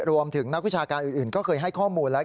นักวิชาการอื่นก็เคยให้ข้อมูลแล้ว